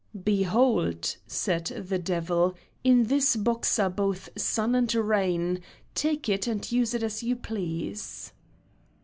"Behold," said the devil, "in this box are both sun and rain, take it and use it as you please."